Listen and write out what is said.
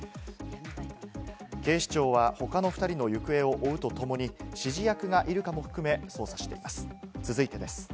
警視庁は他の２人の行方を追うとともに指示役がいるかも含め捜査しています。